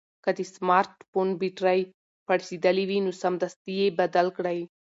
که د سمارټ فون بېټرۍ پړسېدلې وي نو سمدستي یې بدل کړئ.